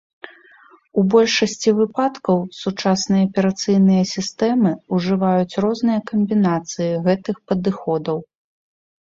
У большасці выпадкаў сучасныя аперацыйныя сістэмы ужываюць розныя камбінацыі гэтых падыходаў.